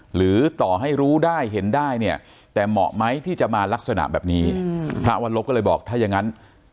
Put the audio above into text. หรือต่อให้รู้ได้เห็นได้เนี่ยแต่เหมาะไหมที่จะมาลักษณะแบบนี้พระวันลบก็เลยบอกถ้าอย่างนั้น